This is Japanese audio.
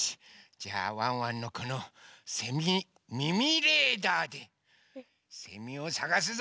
じゃあワンワンのこのせみみみレーダーでせみをさがすぞ！